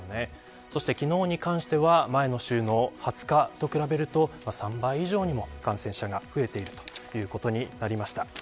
そして、昨日に関しては前の週の２０日と比べると３倍以上にも感染者が増えているということになりました。